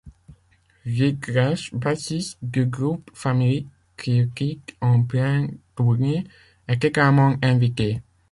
Ric Grech, bassiste du groupe Family qu'il quitte en pleine tournée, est également invité.